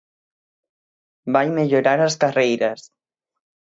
Vai mellorar as carreiras.